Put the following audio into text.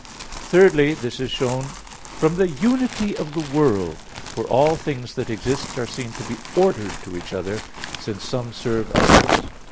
Thirdly, this is shown from the unity of the world. For all things that exist are seen to be ordered to each other since some serve others.